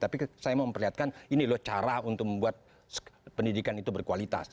tapi saya mau memperlihatkan ini loh cara untuk membuat pendidikan itu berkualitas